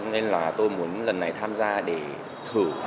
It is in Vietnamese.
nên là tôi muốn lần này tham gia để thử